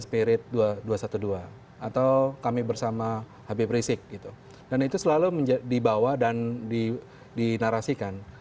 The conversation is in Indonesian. spirit dua ribu dua ratus dua belas atau kami bersama habib rizik gitu dan itu selalu dibawa dan dinarasikan